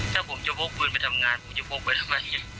ถ้าผมจะพกปืนไปทำงานผมจะพกไว้ทำไม